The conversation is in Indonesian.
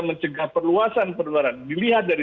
mencegah perluasan penularan dilihat dari